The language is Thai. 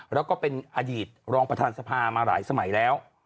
แล้วก็เป็นอดีตรองประธานสภามาหลายสมัยแล้ว